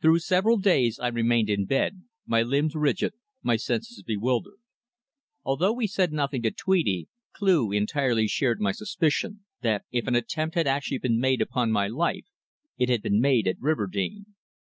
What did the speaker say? Through several days I remained in bed, my limbs rigid, my senses bewildered. Although we said nothing to Tweedie, Cleugh entirely shared my suspicion that if an attempt had actually been made upon my life it had been made at Riverdene.